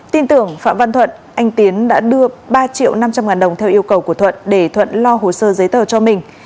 tin tưởng phạm văn thuận anh tiến đã đưa ba triệu năm trăm linh ngàn đồng theo yêu cầu của thuận để thuận lo hồ sơ giấy tờ cho mình